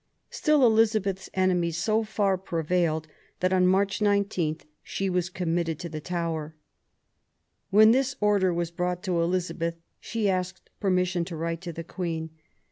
Still, Eliza beth's enemies so far prevailed that on March 19 she was committed to the Tower. When this order was brought to Elizabeth she asked permission to write to the Queen.